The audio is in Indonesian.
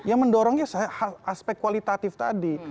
ya mendorongnya aspek kualitatif tadi